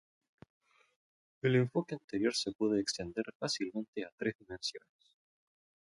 El enfoque anterior se puede extender fácilmente a tres dimensiones.